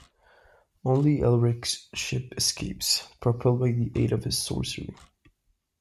Only Elric's ship escapes, propelled by the aid of his sorcery.